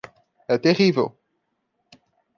É terrível